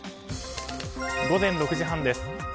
午前６時半です。